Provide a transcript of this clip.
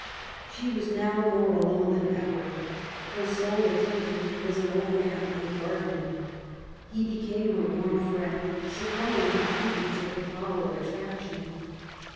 She was now more alone than ever. Her sole attendant was an old man, a gardener. He became her warm friend, succumbing completely to her power of attraction.